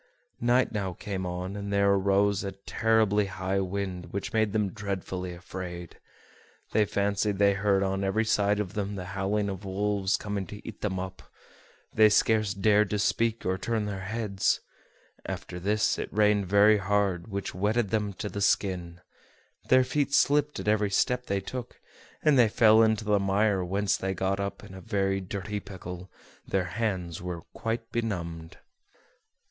Night now came on, and there arose a terribly high wind, which made them dreadfully afraid. They fancied they heard on every side of them the howling of wolves coming to eat them up. They scarce dared to speak or turn their heads. After this, it rained very hard, which wetted them to the skin; their feet slipped at every step they took, and they fell into the mire, whence they got up in a very dirty pickle; their hands were quite benumbed.